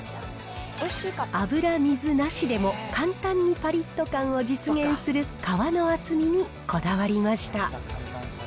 油、水なしでも簡単にぱりっと感を実現する皮の厚みにこだわりました。